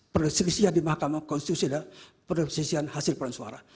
persisian di mahkamah konstitusi adalah persisian hasil peransuara